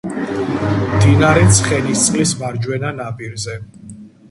მდინარე ცხენისწყლის მარჯვენა ნაპირზე.